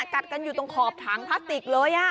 กัดกันอยู่ตรงขอบถังพลาสติกเลย